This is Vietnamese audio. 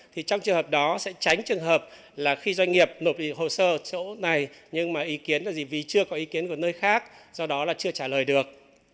thì trong trường hợp đó sẽ tránh trường hợp là khi doanh nghiệp nộp hồ sơ chỗ này nhưng mà ý kiến là gì vì chưa có ý kiến của nơi khác do đó là chưa trả lời được